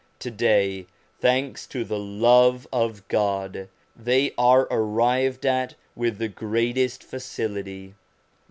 To day, thanks to the love of God, they are arrived at with the greatest facility.